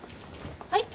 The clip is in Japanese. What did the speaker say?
はい？